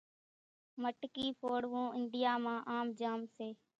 مٽڪي ڦوڙوون انڍيا مان آم جام سي